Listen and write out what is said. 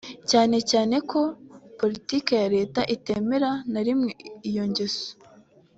cyane cyane ko politiki ya Leta itemera na rimwe iyo ngeso